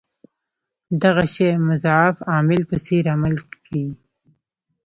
دغه شي مضاعف عامل په څېر عمل کړی.